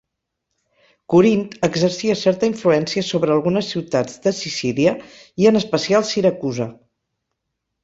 Corint exercia certa influència sobre algunes ciutats de Sicília i en especial Siracusa.